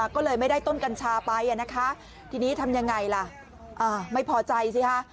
ก็เลยไม่ได้ต้นกัญชาไปที่นี้ทำไงล่ะอ่าไม่พอใจสิค่ะ